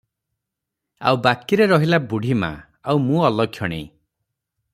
ଆଉ ବାକିରେ ରହିଲା ବଢ଼ୀମା, ଆଉ ମୁଁ ଅଲକ୍ଷଣୀ ।